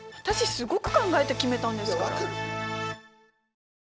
私すごく考えて決めたんですから。